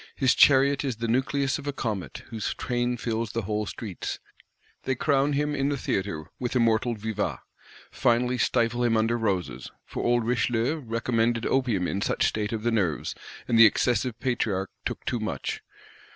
"His chariot is the nucleus of a comet; whose train fills whole streets:" they crown him in the theatre, with immortal vivats; "finally stifle him under roses,"—for old Richelieu recommended opium in such state of the nerves, and the excessive Patriarch took too much.